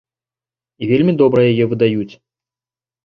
І вельмі добра яе выдаюць.